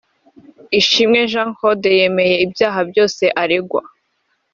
Ishimwe Jean Claude yemeye ibyaha byose aregwa